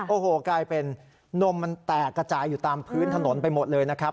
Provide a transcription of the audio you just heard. โอ้โหกลายเป็นนมมันแตกกระจายอยู่ตามพื้นถนนไปหมดเลยนะครับ